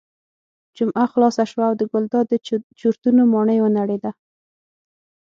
جمعه خلاصه شوه او د ګلداد د چورتونو ماڼۍ ونړېده.